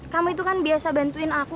kamu itu kan biasa bantuin aku